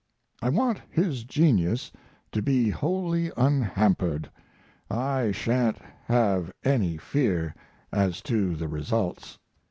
I want his genius to be wholly unhampered. I sha'n't have any fear as to results.